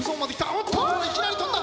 おっといきなり飛んだ。